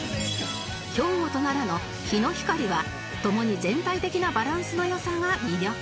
兵庫と奈良のひのひかりは共に全体的なバランスの良さが魅力